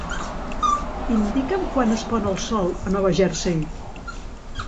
Indica'm quan es pon el sol a Nova Jersey.